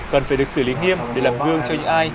cần phải được xử lý nghiêm để làm gương cho những ai